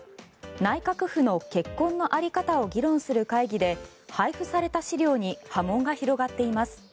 内閣府の結婚の在り方を議論する会議で配布された資料に波紋が広がっています。